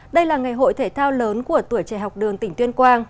đây là ngày hội thể thao lớn của tuổi trẻ học đường tỉnh tuyên quang